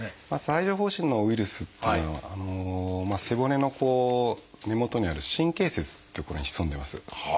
帯状疱疹のウイルスっていうのは背骨の根元にある「神経節」って所に潜んでます。